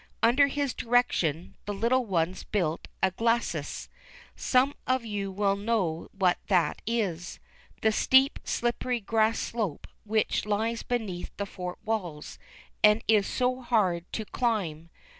Under his direction the little ones built a glacis. Some of you will know what that is, the steep, slippery grass slope which lies beneath the fort walls and is so hard to climb.